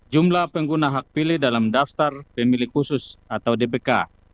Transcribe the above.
jumlah pengguna hak pilih dalam daftar pemilih khusus atau dpk